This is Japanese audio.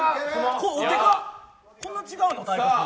こんな違うの体格。